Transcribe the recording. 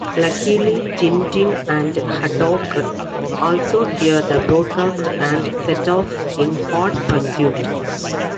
Luckily, Tintin and Haddock also hear the broadcast and set off in hot pursuit.